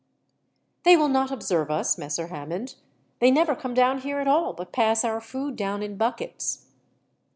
"They will not observe us, Messer Hammond. They never come down here at all, but pass our food down in buckets."